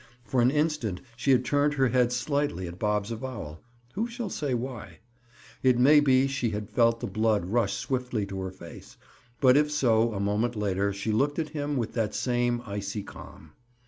For an instant she had turned her head slightly at Bob's avowal—who shall say why? It may be she had felt the blood rush swiftly to her face, but if so a moment later she looked at him with that same icy calm.